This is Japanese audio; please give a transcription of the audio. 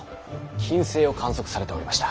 金星を観測されておりました。